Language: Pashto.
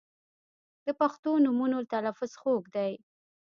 • د پښتو نومونو تلفظ خوږ دی.